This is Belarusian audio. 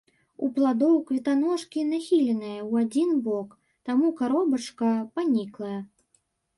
У пладоў кветаножкі нахіленыя ў адзін бок, таму каробачка паніклая.